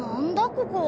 ここ。